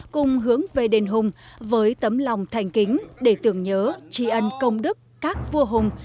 cùng hướng về đền hùng với tấm lòng thành kính để tưởng nhớ tri ân công đức các vua hùng